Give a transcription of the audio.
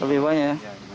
lebih banyak ya